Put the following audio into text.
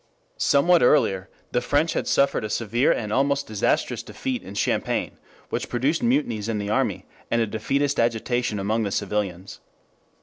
Somewhat earlier the French had suffered a severe and almost disastrous defeat in Champagne which produced mutinies in the army and a defeatist agitation among the civilians.